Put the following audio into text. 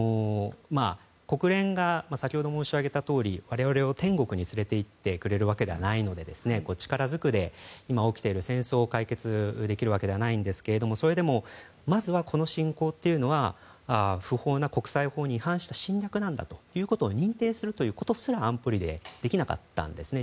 先ほど申し上げたとおり国連が我々を天国に連れて行ってくれるわけではないので力ずくで今起きている戦争を解決できるわけではないんですけどそれでもまずはこの侵攻というのは不法な、国際法に違反した侵略だと認定することすら安保理でできなかったんですね。